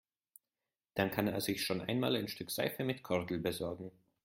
Dann kann er sich schon einmal ein Stück Seife mit Kordel besorgen.